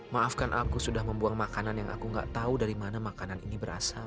maafkan aku sudah membuang makanan yang aku nggak tahu dari mana makanan ini berasal